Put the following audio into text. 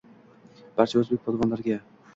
Barcha o‘zbek polvonlariga